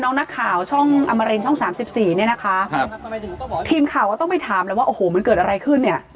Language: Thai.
น้องนักข่าวช่องอมรินช่องสามสิบสี่เนี่ยนะคะครับทีมข่าวก็ต้องไปถามแล้วว่าโอ้โหมันเกิดอะไรขึ้นเนี่ย